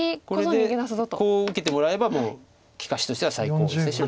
これでこう受けてもらえばもう利かしとしては最高です。